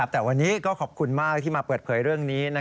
แต่วันนี้ก็ขอบคุณมากที่มาเปิดเผยเรื่องนี้